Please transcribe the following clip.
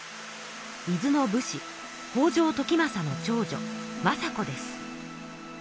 伊豆の武士北条時政の長女政子です。